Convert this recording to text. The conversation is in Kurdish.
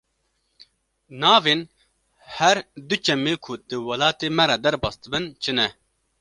Navên her du çemê ku di welatê me re derbas dibin çi ne?